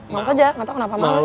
males aja gak tau kenapa males